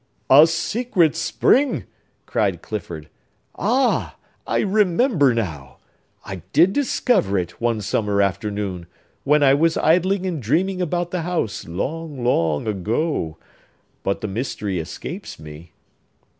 "A secret spring!" cried Clifford. "Ah, I remember now! I did discover it, one summer afternoon, when I was idling and dreaming about the house, long, long ago. But the mystery escapes me."